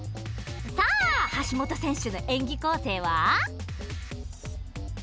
さあ、橋本選手の演技構成は？